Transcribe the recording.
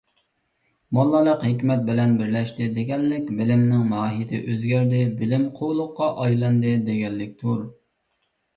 «موللا»لىق «ھېكمەت» بىلەن بىرلەشتى، دېگەنلىك بىلىمنىڭ ماھىيتى ئۆزگەردى، بىلىم قۇۋلۇققا ئايلاندى دېگەنلىكتۇر.